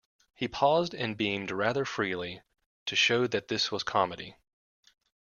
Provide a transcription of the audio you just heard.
He paused, and beamed rather freely, to show that this was comedy.